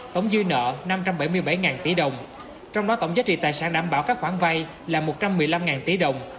tổng dư nợ năm trăm bảy mươi bảy tỷ đồng trong đó tổng giá trị tài sản đảm bảo các khoản vay là một trăm một mươi năm tỷ đồng